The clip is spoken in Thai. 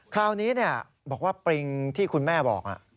คราวนี้บอกว่าปริงที่คุณแม่บอก